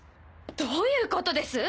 どういうことです？